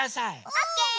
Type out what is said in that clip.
オッケー。